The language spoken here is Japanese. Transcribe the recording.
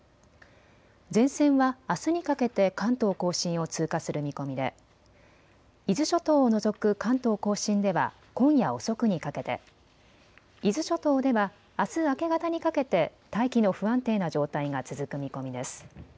前線はあすにかけて関東甲信を通過する見込みで伊豆諸島を除く関東甲信では今夜遅くにかけて、伊豆諸島ではあす明け方にかけて大気の不安定な状態が続く見込みです。